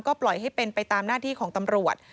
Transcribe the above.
ปล่อยให้เป็นไปตามหน้าที่ของตำรวจ